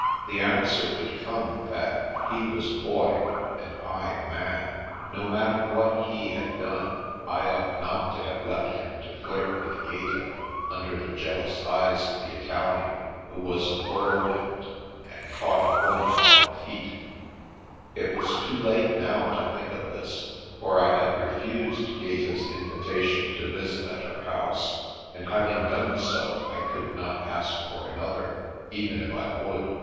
The answer would come that he was a boy, and I a man. No matter what he had done, I ought not to have left him to flirt with Gaeta under the jealous eyes of the Italian, who was " a whirlwind, and caught a wcrnian off her feet" It was too late now to think of this, for I had refused Gaeta's invitation to visit at her house, and having done so I could not ask for another, even if I would.